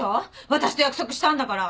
私と約束したんだから！